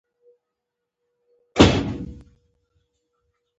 د احمد سترګې مړې دي؛ ګيله مه ورڅخه کوه.